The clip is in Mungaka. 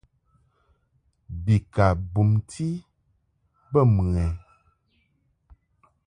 Bi ka bumti bə mɨ ɛ ?